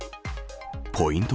ポイント